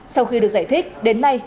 sau khi được giải thích đến nay